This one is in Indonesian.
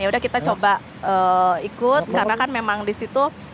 yaudah kita coba ikut karena kan memang disitu